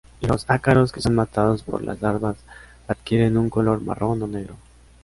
Los ácaros que son matados por las larvas adquieren un color marrón o negro.